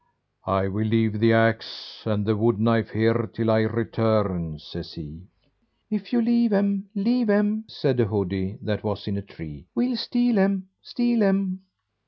"I will leave the axe and the wood knife here till I return," says he. "If you leave 'em, leave 'em," said a hoodie that was in a tree, "we'll steal 'em, steal 'em."